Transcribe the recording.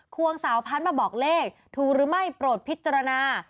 วงสาวพันธุ์มาบอกเลขถูกหรือไม่โปรดพิจารณา